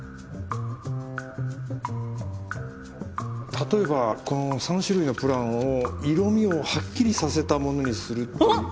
例えばこの３種類のプランを色味をはっきりさせたものにするっていう。